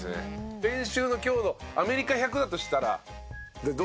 練習の強度アメリカ１００だとしたらどうでした？